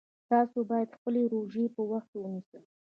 تاسو باید خپلې روژې په وخت ونیسئ